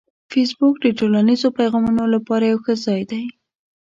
فېسبوک د ټولنیزو پیغامونو لپاره یو ښه ځای دی